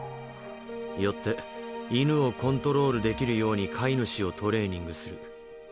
よって「犬をコントロールできるように飼い主をトレーニングする」。